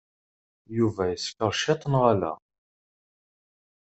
Yuba yeskeṛ ciṭ, neɣ ala?